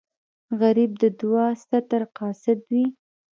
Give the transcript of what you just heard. غریب د دعا ستر قاصد وي